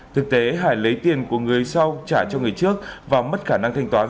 thực tế hải lấy tiền của người sau trả cho người trước và mất khả năng thanh toán